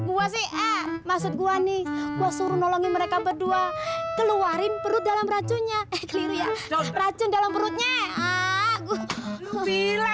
gua sih maksud gua nih gua suruh nolong mereka berdua keluarin perut dalam racunnya